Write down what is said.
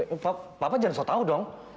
eh papa jangan sok tau dong